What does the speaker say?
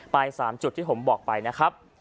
ไป๓จุดที่ผมบอกไปนะครับ